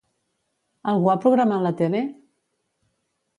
Algú ha programat la tele?